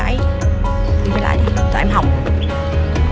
đi quay lại đi cho em học